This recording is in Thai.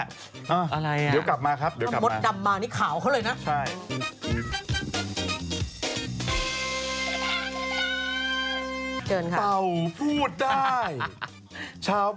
อะไรอ่ะเดี๋ยวกลับมาครับเดี๋ยวกลับมาครับ